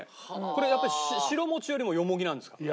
これやっぱ白餅よりもよもぎなんですか？